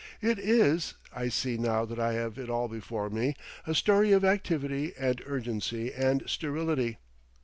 It is, I see now that I have it all before me, a story of activity and urgency and sterility.